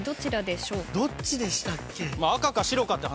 どっちでしたっけ？